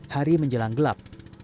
hari menjelang gelap